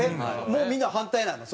もうみんな反対なの？